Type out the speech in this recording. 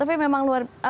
tapi memang luar